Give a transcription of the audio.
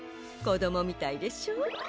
こどもみたいでしょ？